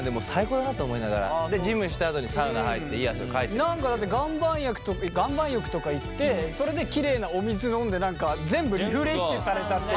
何かだって岩盤浴とか行ってそれできれいなお水飲んで全部リフレッシュされたっていう。